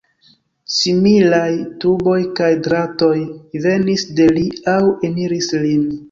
Similaj tuboj kaj dratoj venis de li aŭ eniris lin.